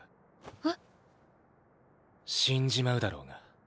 えっ⁉死んじまうだろうが。